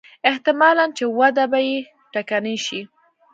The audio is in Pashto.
احتمالاً چې وده به یې ټکنۍ شي.